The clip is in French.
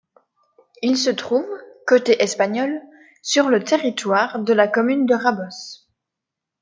Il se trouve, côté espagnol, sur le territoire de la commune de Rabós.